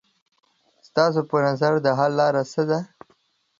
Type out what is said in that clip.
ستاسو په نظر د حل لاره څه ده؟